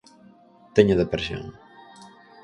Teño depresión.